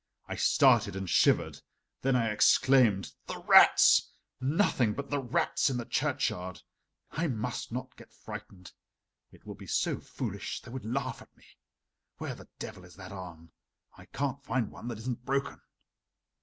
I started and shivered. Then I exclaimed: "The rats! nothing but the rats in the churchyard! I must not get frightened. It will be so foolish they would laugh at me. Where the devil is that arm? I can't find one that isn't broken!"